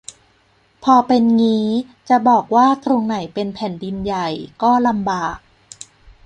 พอเป็นงี้ จะบอกว่าตรงไหนเป็น "แผ่นดินใหญ่" ก็ลำบาก